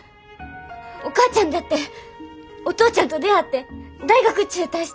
お母ちゃんだってお父ちゃんと出会って大学中退したんやろ。